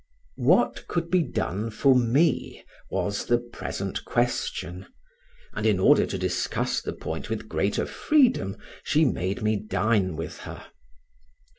What could be done for me, was the present question, and in order to discuss the point with greater freedom, she made me dine with her.